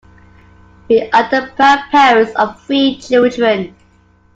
We are the proud parents of three children.